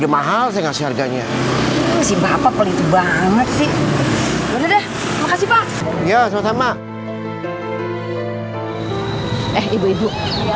iya pak dulu